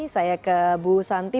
saya ke bu santi